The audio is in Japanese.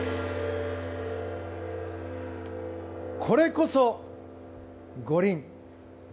これこそ五輪。